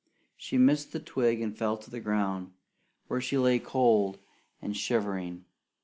She missed the twig and fell to the ground, where she lay cold and shivering.